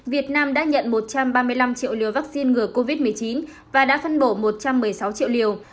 việt nam đã nhận một trăm ba mươi năm triệu liều vaccine ngừa covid một mươi chín và đã phân bổ một trăm một mươi sáu triệu liều